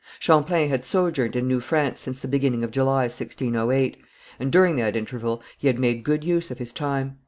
Champlain had sojourned in New France since the beginning of July, 1608, and during that interval he had made good use of his time.